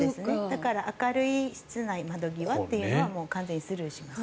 だから、明るい室内、窓際はもう完全にスルーします。